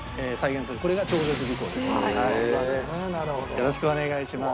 よろしくお願いします。